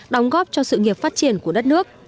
đóng góp cho sự nghiệp phát triển của đất nước